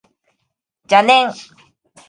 邪念